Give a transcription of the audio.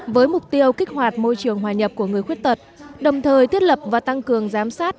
với mục tiêu kích hoạt môi trường hòa nhập của người khuyết tật đồng thời thiết lập và tăng cường giám sát